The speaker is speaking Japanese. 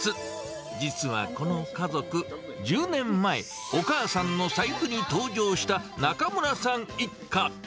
実はこの家族、１０年前、お母さんの財布に登場した中村さん一家。